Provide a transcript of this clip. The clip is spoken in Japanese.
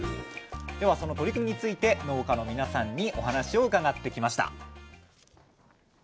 ではその取り組みについて農家の皆さんにお話を伺ってきました。